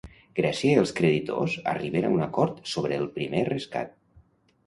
Grècia i els creditors arriben a un acord sobre el primer rescat.